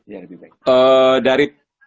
ya lebih baik